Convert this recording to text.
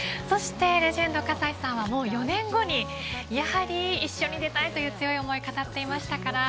そしてレジェンド葛西さんは４年後にやはり一緒に出たいという強い気持ちを語ってました。